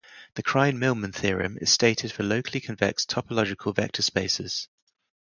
The Krein-Milman theorem is stated for locally convex topological vector spaces.